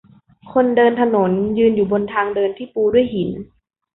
คนเดินถนนยืนอยู่บนทางเดินที่ปูด้วยหิน